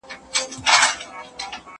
زه ونې ته اوبه ورکړې دي